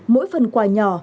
mỗi phần quả nhỏ